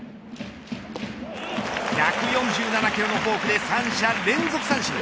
１４７キロのフォークで三者連続三振。